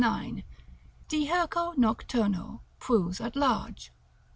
de hirco nocturno, proves at large.